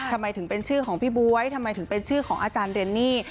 ทำไมถึงเป็นชื่อของพี่บ๊วยทำไมถึงเป็นชื่อของอาจารย์เรนนี่